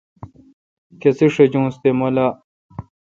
کسے شجونس تے مہ لاء۔